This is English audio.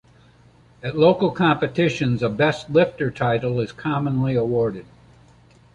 At local competitions, a "Best Lifter" title is commonly awarded.